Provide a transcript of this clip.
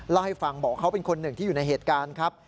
เล่าให้ฟังบอกว่าเขาเป็นคนหนึ่งที่อยู่ในเหตุการณ์ครับ